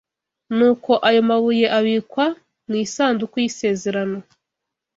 Nuko ayo mabuye abikwa mu isanduku y’isezerano